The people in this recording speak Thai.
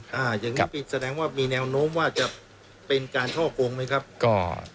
อย่างนี้แสดงว่ามีแนวโน้มว่าจะเป็นการช่อกงไหมครับ